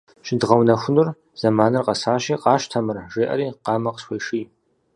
Уи псалъэм и пэжагъыр щыдгъэунэхуну зэманыр къэсащи, къащтэ мыр, — жеӀэри, къамэ къысхуеший.